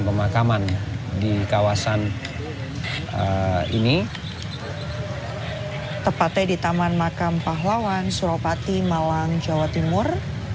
pemakaman di kawasan ini tepatnya di taman makam pahlawan suropati malang jawa timur